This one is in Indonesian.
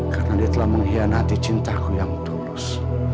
karena dia telah mengkhianati cintaku yang tulus